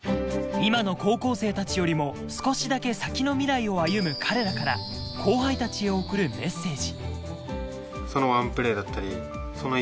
今の高校生たちよりも少しだけ先の未来を歩む彼らから後輩たちへ送るメッセージ。